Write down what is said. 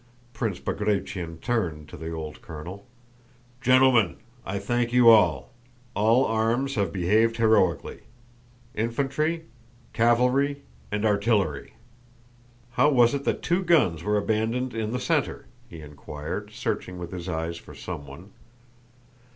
Prince Bagratión turned to the old colonel: "Gentlemen, I thank you all; all arms have behaved heroically: infantry, cavalry, and artillery. How was it that two guns were abandoned in the center?" he inquired, searching with his eyes for someone.